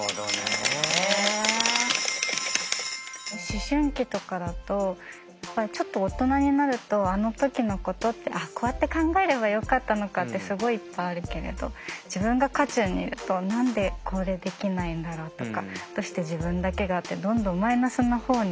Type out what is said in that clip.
思春期とかだとちょっと大人になるとあの時のことってああこうやって考えればよかったのかってすごいいっぱいあるけれど自分が渦中にいると何でこれできないんだろうとかどうして自分だけがってどんどんマイナスの方に行っちゃいますよね。